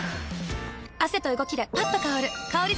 汗と動きでパッと香る香り